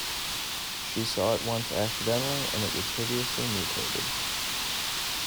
She saw it once accidentally and it was hideously mutilated.